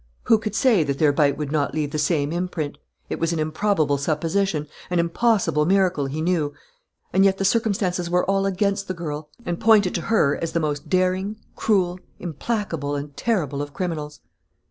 Who could say that their bite would not leave the same imprint? It was an improbable supposition, an impossible miracle, he knew. And yet the circumstances were all against the girl and pointed to her as the most daring, cruel, implacable, and terrible of criminals.